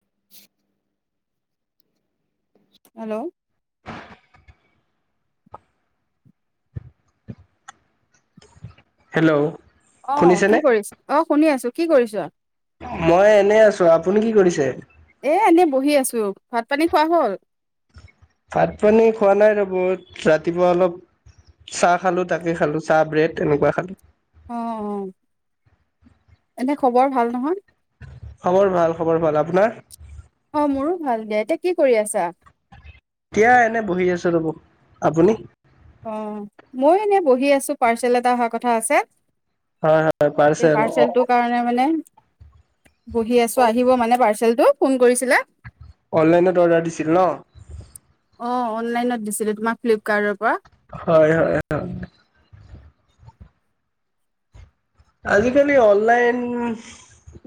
[inaudible] Hello hello অ শুনিছেনে? কি কৰিছ অ শুনি আছো কি কৰিছ? মই এনে আছো। আপুনি কি কৰিছে? এ এনে বহি আছো। ভাত পানী খোৱা হল? ভাত পানী খোৱা নাই ৰব ৰাতিপুৱা অলপ চাহ খালো তাকে খালো চাহ ব্ৰেড এনেকুৱা খালো। অ অ এনে খবৰ ভাল নহয় খবৰ ভাল খবৰ ভাল। আপোনাৰ? অ মোৰো ভাল দে। এতিয়া কি কৰি আছা? এতিয়া এনে বহি আছো ৰ'ব। আপুনি? অ মই এনে বহি আছো পাৰ্চেল এটা অহা কথা আছে। হয় হয় স পাৰ্চেল পাৰ্চেলটো কাৰণে মানে বহি আছো আহিব মানে পাৰ্চেলটো ফোন কৰিছিলে। অনলাইনত অৰ্ডাৰ দিছিল ন? অনলাইন দিছিলো তোমাক ফিলিপকাৰ্টৰ পৰা। হয় হয় হয় আজিকালি অনলাইন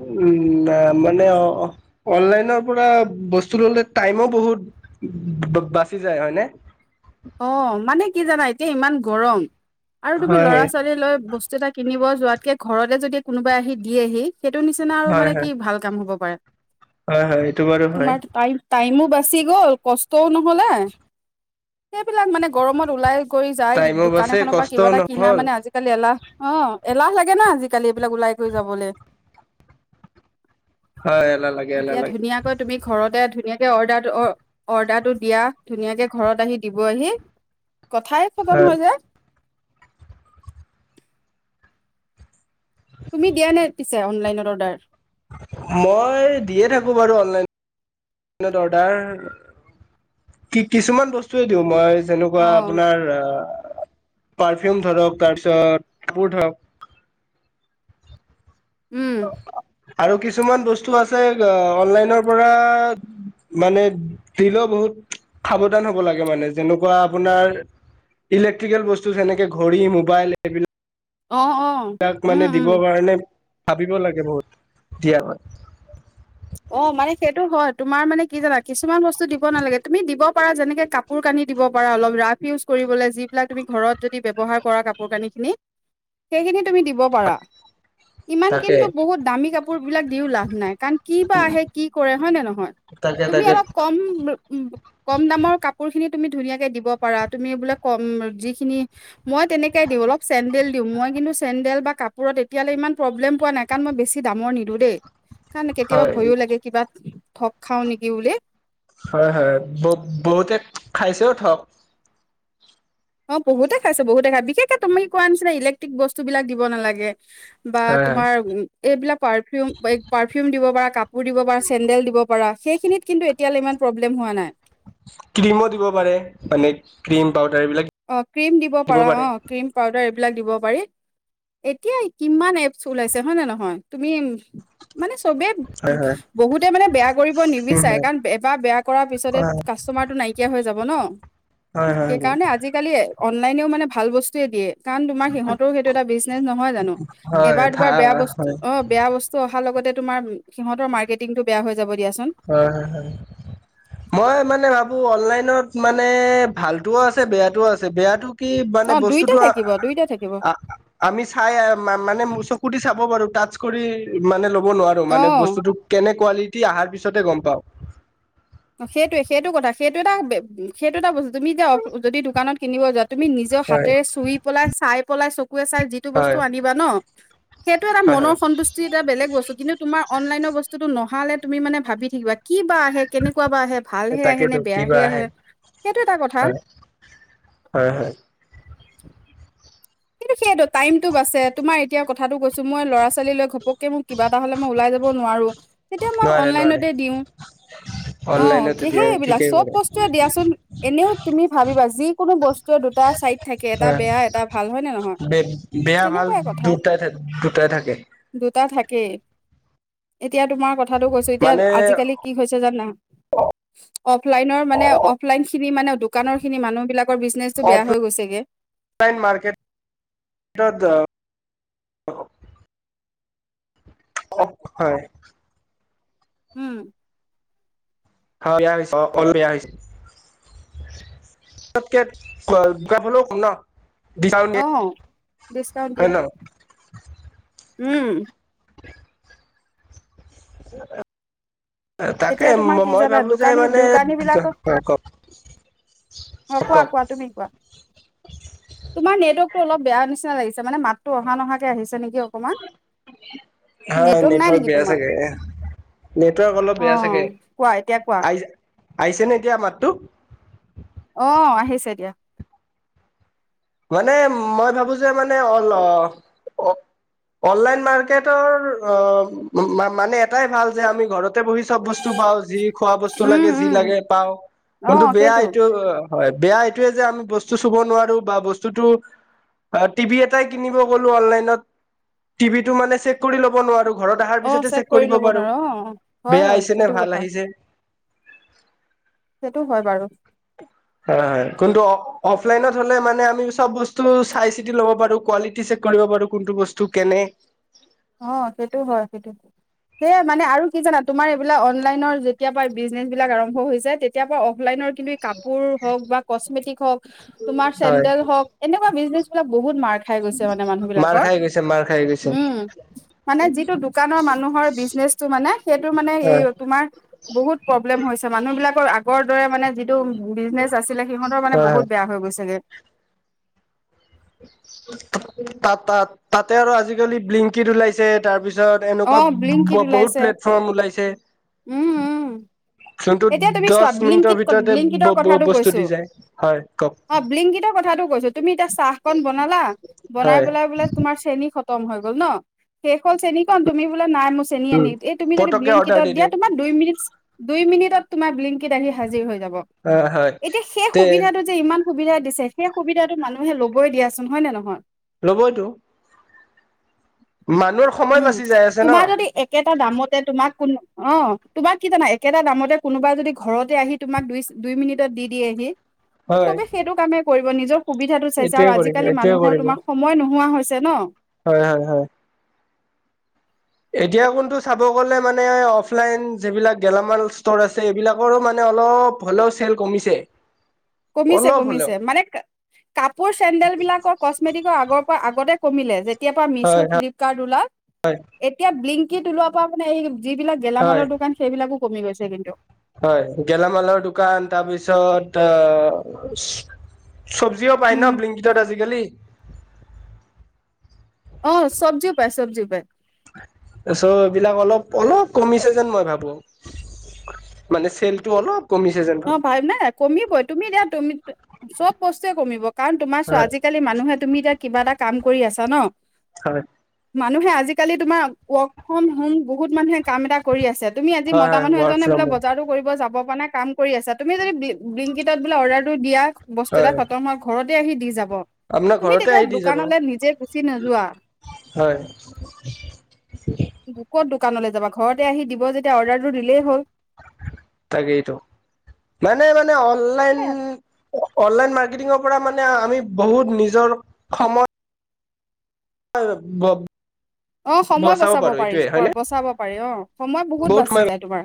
উম, ন- মানে অ'- অনলাইনৰ পৰা বস্তু ল'লে টাইমো বহুত ব- বাচি যায়, হয়নে? অ'। মানে কি জানা? এতিয়া ইমান গৰম আৰু তুমি হয় হয় ল'ৰা-ছোৱালী লৈ বস্তু এটা কিনিব যোৱাতকে, ঘৰতে যদি কোনোবাই আহি দিয়েহি সেইটো নিচিনা আৰু হয় মানে কি হয় ভাল কাম হ'ব পাৰে। হয় হয় এইটো বাৰু হয়। তোমাৰটো টাই- টাইমো বাচি গ'ল, কষ্টও নহলে। সেইবিলাক মানে গৰমত ওলাই কৰি যায়। টাইমো দোকান বাছে এখনৰ পৰা কিবা কষ্টও এটা কিনা নহ'ল মানে আজিকালি এলাহ অ'। এলাহ লাগে না, আজিকালি এইবিলাক ওলাই কৰি যাবলৈ। হয় এলাহ লাগে এলাহ এতিয়া লাগে ধুনীয়াকৈ তুমি ঘৰতে ধু নীয়াকে অৰ্ডাৰটো- অ'- অৰ্ডাৰটো দিয়া, ধুনীয়াকে ঘৰত আহি দিবহি। কথাই খতম হয় হৈ যায়। তুমি দিয়া নে পিছে অনলাইনত অৰ্ডাৰ? মই দিয়ে থাকোঁ বাৰু অনলাইনত অৰ্ডাৰ। কি- কিছুমান বস্তুৱে দিওঁ মই, অ যেনেকুৱা আপোনাৰ অ' পাৰফিউম ধৰক, তাৰপিছত কাপোৰ ধৰক। উম আৰু কিছুমান বস্তু আছে অ'- অনলাইনৰ পৰা মানে দিলেও বহুত সাৱধান হ'ব লাগে মানে। যেনেকুৱা আপোনাৰ ইলেক্ট্ৰিকেল বস্তু যেনেকে ঘড়ী, মোবাইল এইবিলাক অ অ ক উম মানে উম দিবৰ কাৰণে ভাবিব লাগে বহুত, দিয়াৰ আগত। অ' মানে সেইটো হয়। তোমাৰ মানে কি জানা? কিছুমান বস্তু দিব নালাগে। তুমি দিব পাৰা, যেনেকে কাপোৰ-কানি দিব পাৰা, অলপ ৰাফ ইউছ কৰিবলৈ যিবিলাক তুমি ঘৰত যদি ব্যৱহাৰ কৰা কাপোৰ-কানিখিনি সেইখিনি তুমি দিব পাৰা। ইমান তাকে কিন্তু বহুত দামী কাপোৰ বিলাক দিওঁ লাভ নাই। কা কি বা আহে? কি কৰে? হয় নে নহয়? তাকে তুমি তাকে অলপ কম- কম দামৰ কাপোৰ তুমি ধুনীয়াকে দিব পাৰা। তুমি বোলে কম- যিখিনি মই তেনেকে দিওঁ অলপ। চেণ্ডেল দিওঁ। মই কিন্তু চেণ্ডেল বা কাপোৰত এতিয়ালৈ ইমান প্ৰব্লেম পোৱা নাই। কাৰণ মই বেছি দামৰ নিদিও দে। কা কেতিয়াবা হয় ভয়ো লাগে, কিবা ঠগ খাওঁ নেকি বুলি। হয় - হয়। ব- বহুতে খাইছেও ঠগ। অ' বহুতে খাইছে, বহুতে খায়। ‌ বিশেষকে তুমি কি কোৱা নিচিনা ইলেক্ট্ৰিক বস্তুবিলাক দিব নালাগে। বা হয় হয় তোমাৰ উম- এইবিলাক পাৰফিউম এ- পাৰ ফিউম দিব পাৰা, কাপোৰ দিব পাৰা, চেন্ডেল দিব পাৰা। সেইখিনিত কিন্তু এতিয়ালৈ ইমান প্ৰব্লেম হোৱা নাই। ক্ৰীমো দিব পাৰে, মানে ক্ৰীম পাউদাৰ এইবিলাক অ' ক্ৰীম দিব পাৰা, অ' ক্ৰীম, পাউদাৰ এই বিলাক দিব পাৰি। এতিয়া কিমান এপছ ওলাইছে, হয় নে নহয়? তুমি মানে চবে- হয় হয় বহুতে মানে বেয়া কৰিব নিবিচাৰে, কাৰণ এবাৰ বেয়া কৰাৰ পিছতে হয় কাষ্টমা মাৰতো নাইকিয়া হৈ যাব ন'। হয় - হয় বৌ। এ অনলাইনেও মানে ভাল বস্তুৱে দিয়ে। কাৰণ তোমাৰ সিহঁতৰো সেইটো এটা বিজনেছ, নহয় জানো? এবাৰ - দুবাৰ ভাল বেয়া হয় বস্তু, হয় অ' বেয়া বস্তু অ হাৰ লগতে তোমাৰ সিহঁতৰ মাৰ্কেটিঙটো বেয়া হৈ যাব দিয়াচোন হয় - হয় - হয়। মই মানে ভাবো অনলাইন নত মানে ভালোটোও আছে, বেয়াটোও আছে। বেয়াটো কি মানে অ দুইটা বস্তুটো আ- থাকিব দুইটা থাকিব আ- আমি চাই মা- মানে চকু দি চাব পাৰোঁ। টাচ কৰি মানে ল'ব নোৱাৰোঁ, মানে অ বস্তুটো কেনে কুৱালিটি অহাৰ পিছ ছতহে গম পাওঁ। অ' সেইটোৱে, সেইটো কথা। সেইটো এটা বে- সেইটো এটা ব তুমি এতিয়া অ' যদি দোকানত কিনিব যোৱা, তুমি নিজৰ হয় হাতেৰে চুই পলাই, চাই পলাই, চ কুৱে চাই যিটো বস্তু হয় আনিবা ন', সেইটো এটা হয় মনৰ হয় সন্তুষ্টি এটা বেলেগ বস্তু কিন্তু তুমাৰ অনলাইনৰ বস্তুতটো নহালে তুমি মানে ভাবি থাকিবা কি বা আহে কেনেকুৱা বা আহে ভালহে আহে নে তাকেতো কিবা বেয়াহে আহে সেইটো এটা কথা হয় হয় হয় কিন্তু সেইযটো টামটো বাছে তোমাৰ এতিয়া কথাটো কৈছো মই ল'ৰা ছোৱালীলৈ ঘপকে মোক কিবাটা হ'লে মই ওলাই য নোৱাৰো এতিয়াটো মই নোৱাৰে নোৱাৰে অনলাইনতে দিওঁ অ অনলাইনতো কি দিয়ে সেইবিলাক ঠিকেই চব কৰে বস্তুৱয়ে দিয়াচোন এনেও তুমি ভাবিবা যি কোনো বস্তুৱে দুটা চাইড থাকে এটা হয় বেয়া এটা ভাল হয় নে নহয় বেয়া ভাল তেনেকুৱাই কথা দুটাই দুটাই থাকে দুটা থাকে ই এতিয়া তোমাৰ কথাতটো কৈছো এতিয়া মানে আজিকালি কি হৈছে জানা অফলাইনৰ মানে অফলাইন খিনি মানে দোকানৰ খিনি মানুহ বিলাক বিজনেচটো বেয়া হৈ গৈছেগে এটাদ অ হয় উম অ এয়া হৈছে অ অল এয়া হৈছে তাতকে গ ভলেও খুম ন ডিচকাউণ্ট অ দিয়ে ডিচকাউন্ট হয় দিয়া ন উম [unintelligible] [unintelligible] তাকে তেতিয়া তোমাৰ কি মই জানা ভাবো যে দোকানী মানে দোকানী বিলাকৰ অ কোৱা কওক কোৱা তুমি কোৱা তোমাৰ নেট ৱৰ্কটো অলপ বেয়া নিচিনা লাগিছে মানে মাততো অহা নহাকে আহিছে নেকি অকনমান হা নেটৱৰ্ক বেয়া চাগে নেটৱৰ্ক অলপ অ বেয়া চাগে কোৱা এতিয়া কোৱা আই আহিছে নে এতিয়া মাততো অ আহিছে এতিয়া মানে মই ভাবো যে মানে অল অনলাইন মাৰ্কেটৰ মানে এটাই ভাল যে আমি ঘৰত তাতে বহি চব বস্তু পাওঁ যি খোৱা বস্তু লাগে উম যি উম লাগে পাওঁ অ কোনটো বেয়া সেইটো এইটো অ হয় বেয়া এইটোয়ে যে আমি বস্তু চুব নোৱাৰো বা বস্তু বস্তুটো টিভি এটাই কিনিব গলো অনলাইনত টিভিটো মানে চেক কৰি ল'ব নোৱাৰো ঘৰত অহাৰ অ পিছতে চেক কৰি কৰিব ল'ব পাৰো নোৱাৰো অ হয় বেয়া হয় আহিছে নে সেইটো ভাল কথা আহিছে সেইটো হয় বাৰু হয় হয় কিন্তু অফলাইনত হলে মানে আমি চব বস্তু চাই চিতি লব পাৰো কোৱালিটি কৰিব পাৰো কোনটো বস্তু কেনে অ সেইটো হয় সেইটো সেয়া মানে আৰু কি জানা তোমাৰ এইবিলাক অনলাইনৰ যেতিয়া পৰা বিজনেচ বিলাক আৰম্ভ হৈছে তেতিয়া পৰা অফলাইন কাপোৰ হওক বা কস্মেটিক হওক তোমাৰ হয় চেন্দেল হওক এনেকুৱা বিজনেচ বিলাক বহুত মাৰ খাই গৈছে মানে মানুহ মাৰ বিলাকৰ খাই গৈছে মাৰ খাই গৈছে উম মানে যিটো দোকানৰ মানুহৰ বিজনেচটো মানে সেইটো মানে এই হয় তোমাৰ বহুত প্ৰব্লেম হৈছে মানুহ বিলাক আগৰ দৰে মানে যিটো বিজনেচ আছিলে সিহঁতৰ মানে হয় হয় বহুত বেয়া হৈ গৈছেগে তাত তাত তাতে আৰু আজিকালি ব্লিংকিত ওলাইছে তাৰ পি পিছত অ ব্লিংকিট এনেকুৱা বহুত ওলাইছে প্লেটফৰ্ম ওলাইছে উম উম যোনটো এতিয়া তুমি চোৱা দহ মিনিটৰ ভিতৰতে বিল্লিংকিতৰ কথাটো বস্তু কৈছো দি যায় হয় কওক অ ব্লিংকিতৰ কথা কৈছোঁ তুমি এতিয়া চাহ কন বনালা বনাই হয় পেলাই বোলে তোমাৰ চেনী খতম হৈ গ'ল ন শেষ হ'ল চেনীকন তুমি নাই মোৰ চেনি উম আনি এই তুমি যদি পতককে অৰ্ডাৰ বিংকটত দি দিয়া দিওঁ তোমাৰ দুই মিনিট দুই মিনিট। তোমাৰ বিল্লিংকিত আহি হাজিৰ হৈ যাব। হয় হয় এতিয়া সেই তে সুবিধাটো যে ইমান সুবিধা দিছে। সেই সুবিধাতো মানুহে লবই দিয়াচোন হয় নে নহয়? লবইটো উম বাচি যাই আছে ন তোমাৰ যদি একেটা দামতে তোমাক কোনো অ' তোমাক কি জানা একেটা দামতে কোনোবাই যদি ঘৰতে আহি তোমাক দুই দুই মিনিটত দি দিয়েহি হয় চবে সেইটো কামেই কৰিব নিজৰ সুবিধাটো চাইছে এইটোৱে আৰু কৰিব আজিকালি এইটোৱে মানুহৰ কৰিব তোমাৰ সময় নোহোৱা হৈছে। ছে ন হয় হয় হয়। এতিয়া কোনটো চাব গলে মানে অফলাইন যিবিলাক গেলামাল ষ্টৰ আছে। এইবিলাকৰো মানে অলপ হ'লেও চেল কমিছে। কমিছে অলপ হ'লেও কমিছে মানে কাপোৰ, চেণ্ডেল বিলাকৰ কচমেটিকৰ আগৰ আগতে কমিলে যেতিয়া পৰা মিছো হয় হয় ফ্লিপকাৰ্ট ওলাই হয় এতিয়া ব্লিক কিট ওলোৱা পা মানে এই যিবিলাক হয় গেলামালৰ দোকান সেইবিলাকো কমি গৈছে কিন্তু হয় গেলামালৰ দোকান তাৰপিছত আ চব্জিও পায় উম, ন ব্লিংকীটত আজিকালি! অ' চব্জিও পায় চব্জিও পায়। তাৰছ এইবিলাক অলপ অলপ কমিছে যেন মই ভাবো। মানে চেলটো অলপ কমিছে যেন অ' ভাবো ভাই নাই কমিব তুমি দিয়া তুমি চব বস্তুৱে কমিব। কাৰণ তোমাৰ চোৱা হয় আজিকালি মানুহে তুমি এতিয়া কিবা এটা কাম কৰি আছা ন হয়। মানুহে আজিকালি তোমাৰ ৱৰ্ক ফ্ৰম হোম বহুত মানুহে কাম এটা কৰি আছে। তুমি আজি হয় মতা হয় মানুহ ৱৰ্ক এজনে ফ্ৰম বোলে হোম বজাৰতো কৰিব যাব পৰা নাই কাম কৰি আছা তুমি যদি ব্ৰিইংকিতত বোলে অৰ্ডাৰটো দিয়া বস্তু হয় এটা খতম হ হয় ঘৰতে আহি দি যাব। আপোনাৰ তুমি ঘৰতে তেতিয়া আহি দি যাব দোকানলৈ নিজে গুচি নোযোৱা। হয়। ক'ত দোকানলৈ যাবা ঘৰতে আহি দিব যেতিয়া অৰ্ডাৰটো দিলেই হ'ল। তাকেইতো মানে মানে অনলাইন। সেয়াই অনলাইন মাৰ্কেটিঙৰ পৰা মানে আমি বহুত নিজৰ সময় হয় ব্ব [inaudible] অ' সময় বচাব পাৰি হয়নে বচাব পাৰি। অ' সময় বহুত বাচি যায় তোমাৰ।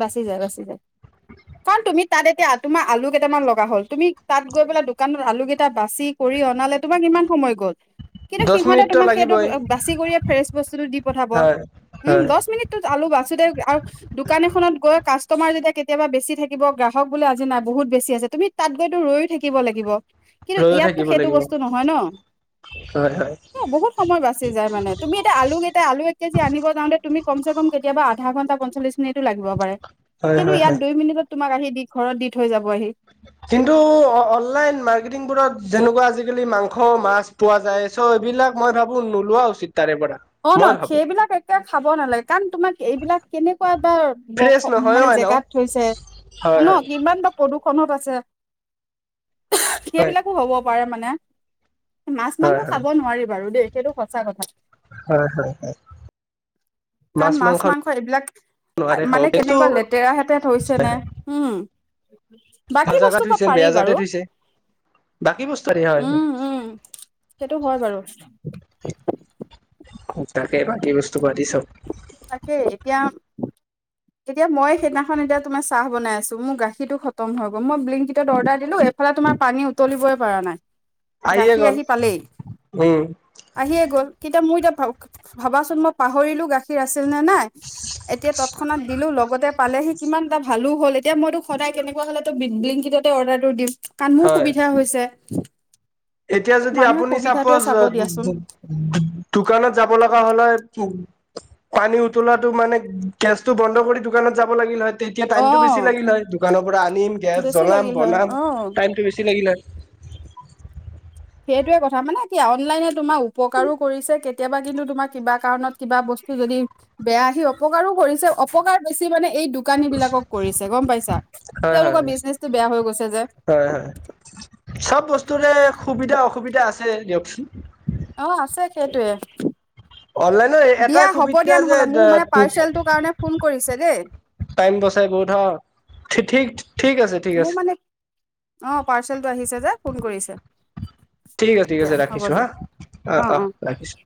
বাচি যায় বাচি যায় কাৰণ তুমি তাত এতিয়া তোমাৰ আলু কেইটামান লগা হ'ল তুমি তাত গৈ পেলাই দোকানত আলু কেইটা বাচি কৰি অনালে তোমাৰ কি সময় গ'ল কিন্তু দহ সিহঁতে মিনিটতো তোমাক লাগিবই সেইটো বাছি কৰি ফ্ৰেচ বস্তুটো দি পঠাব। হয় উম হয় দহ মিনিটত আলু বাচি দে আৰু দোকান এখনত গৈ কাচ তোমাৰ যেতিয়া কেতিয়াবা বেছি থাকিব গ্ৰাহক বোলে আজি নাই বহুত বেছি আছে। তুমি তাত গৈতো ৰৈয়ো থাকিব। লাগিব কিন্তু ৰৈয়ো ইয়াতো থাকিব সেইটো লাগিব বস্তু নহয় ন। হয় হয় বহুত সময় বাচি যায় মানে। তুমি এটা আলুকেইটা আলু এক কেজি আনিব যাওঁতে তুমি কম চে কম কেতিয়াবা আধা ঘণ্টা পঞ্চল্লিশ মিনিটো লাগিব পাৰে হয় কিন্তু হয় ইয়াত হয় দুই মিনিটত তোমাক আহি দি ঘৰত দি থৈ যাব আহি। কিন্তু অনলাইন অৰ্কেথিগবোৰত যেনেকুৱা আজালি মাং [inaudible] স মাছ পোৱা যায় চ' এইবিলাক মই ভাবো নোলোৱা উচিত। তাৰে পৰা অ' ন মই ভাবো সেইবিলাক একে খাব নালাগে। কাৰণ তোমাক এইবিলাক কেনেকুৱা বৰ্ষ ফ্ৰেছ নহয়ও মানে এনেও জেগাত থৈছে হয় ন হয় কিমান বা প্ৰদূষণত আছে। যে হয় সেইবিলাকো হ'ব পাৰে মানে। মাছ হয় মাংস হয় খাব নোৱাৰি বাৰু দেই সেইটো সঁচা কথা। হয় হয়। কাৰণ মাছ মাংস এইবিলাক নোৱাৰে খাব মানে কেনেকুৱা কিন্তু লেতেৰা হাতে থৈছে নে ভাল হম বাকী জাগাত বস্তুবা থৈছে পাৰি বেয়া জাগাতে বাৰু। থৈছে বাকী বস্তু আদি হয় উম উম সেইটো হয় বাৰু তাকে বাকী বস্তু পাতি চব তাকে এতিয়া এতিয়া মই সেইদিনাখন এতিয়া তোমাৰ চাহ বাইছো মোৰ গাখীৰটো খতম হৈ গ' মই ব্লিংকিটত অৰ্ডাৰ দিলো এইফালে এ তোমাৰ পানী উতলিবই পৰা নাই আহিয়ে গাখীৰ গ'ল আহি পালেই উম আহিয়ে গ'ল কেতিয়া মোৰ এতিয়া ভাবাচোন মই পাহৰিলো গাখীৰ আছে নে নাই এতিয়া তৎক্ষণাত দিলো লগতে পালেহি কিমান এটা ভালো হ'ল এতিয়া মইতো সদায় কেনেকুৱা হ'লে বিংকিটতে অৰ্ডাৰটো দিম কাৰণ মোৰ হয় সুবিধা হৈছে এতিয়া যদি মানুহে আপুনি সুবিধাটোৱে চাপজ চাব দিয়াচোন দোকানত যাব লগা হলে পানী উতলাটো মানে গেছতটো বন্ধ কৰি দোকানত যাব লাগিল হয় তেতিয়া অ টাইম টো বেছি লাগিল হয় দোকানৰ পৰা আনিম গেছ বেছি জ্বলাম লাগিল হয় বনাম অ টাইম টো বেছি লাগিলে হয় সেইটয়ে কথা মানে কি অনলাইনে তোমাৰ উপকাৰো কৰিছে কেতিয়াবা কিন্তু তোমাৰ কিবা কাৰণত কিবা বস্তু বস্তু যদি বেয়া আহি অপকাৰো কৰিছে অপকাৰ বেছি মানে এই দোকানী বিলাকক কৰিছে গম পাইছা হয় হয় তেওঁলোকৰ হয় বিজনেচটো বেয়া হৈ গৈছে যে হয় চব বস্তুৰে সুবিধা অসুবিধা আছে দিয়কচোন অ আছে সেইটোৱে অনলাইনৰ দিয়া এটাই হ'ব সুবিধা দিয়া নহ'লে মোৰ মানে যে পাৰ্চেলটোৰ কাৰণে ফোন কৰিছে দেই টাইম বচাই বহুত হা ঠিক আছে ঠিক মোৰ আছে মানে অ পাৰ্চেলটো আহিছে যে ফোন কৰিছে ঠিক আছে ঠিক দিয়া আছে হ'ব ৰাখিছো হা দিয়া অ অ ৰাখিছো